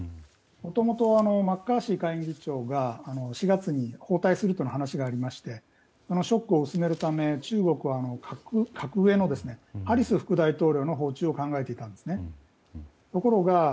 もともとマッカーシー下院議長が４月に訪台するとの話がありましてショックを薄めるため中国は格上のハリス副大統領の訪中を考えていたんです。